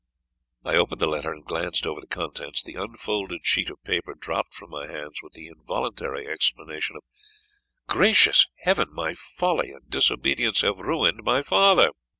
I opened the letter and glanced over the contents. The unfolded sheet of paper dropped from my hands, with the involuntary exclamation of "Gracious Heaven! my folly and disobedience have ruined my father!"